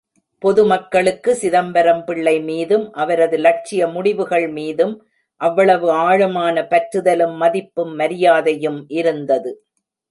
பொதுமக்களுக்கு சிதம்பரம் பிள்ளை மீதும், அவரது லட்சிய முடிவுகள் மீதும் அவ்வளவு ஆழமான பற்றுதலும், மதிப்பும் மரியாதையும் இருந்தது.